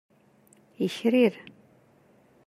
Ikrir.